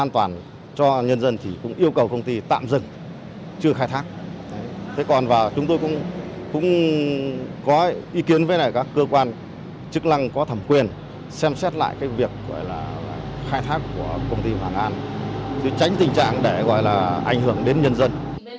tôi tránh tình trạng để gọi là ảnh hưởng đến nhân dân